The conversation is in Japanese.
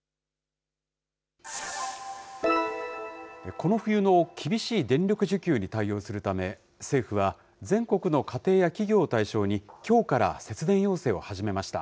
この冬の厳しい電力需給に対応するため、政府は、全国の家庭や企業を対象に、きょうから節電要請を始めました。